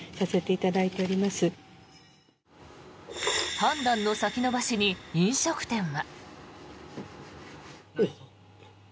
判断の先延ばしに飲食店は。